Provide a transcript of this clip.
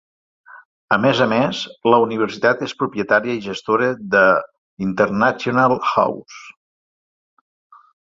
A més a més, la Universitat és propietària i gestora de International House.